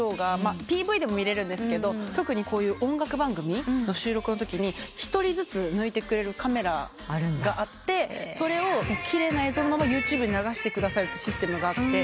ＰＶでも見られるんですけど特にこういう音楽番組の収録のときに一人ずつ抜いてくれるカメラがあってそれを奇麗な映像のままＹｏｕＴｕｂｅに流してくださるシステムがあって。